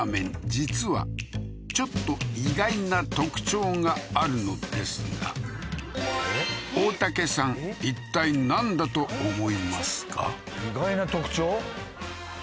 実はちょっと意外な特徴があるのですが大竹さんいったいなんだと思いますか？